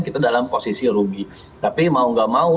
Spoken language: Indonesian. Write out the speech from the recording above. kita dalam posisi rugi tapi mau gak mau